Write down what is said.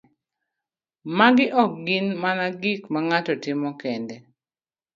Magi ok gin mana gik ma ng'ato timo kende